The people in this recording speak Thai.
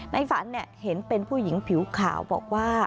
ในฝันเห็นเป็นผู้หญิงผิวขาวบอกว่า